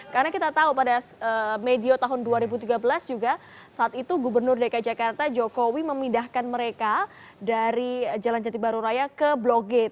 karena kita tahu pada medio tahun dua ribu tiga belas juga saat itu gubernur dki jakarta jokowi memindahkan mereka dari jalan jati baru raya ke bloget